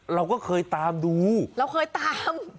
เราก็เคยตามดูเราเคยตาม